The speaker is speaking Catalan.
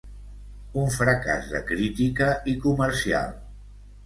Un fracàs de crítica i comercial.